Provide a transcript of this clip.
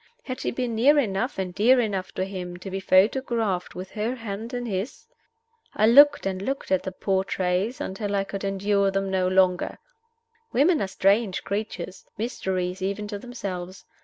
Had she been near enough and dear enough to him to be photographed with her hand in his? I looked and looked at the portraits until I could endure them no longer. Women are strange creatures mysteries even to themselves.